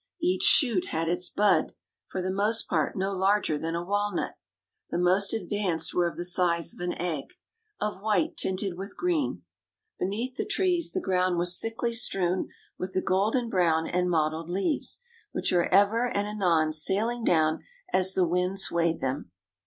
Each shoot had its bud, for the most part no larger than a walnut. The most advanced were of the size of an egg, of white tinted with green. Beneath the trees the ground was thickly strewn with the golden brown and mottled leaves, which were ever and anon sailing down as the wind swayed them.